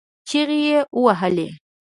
چغې يې ووهلې.